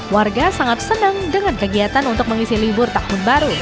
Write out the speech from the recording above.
warga sangat senang dengan kegiatan untuk mengisi libur tahun baru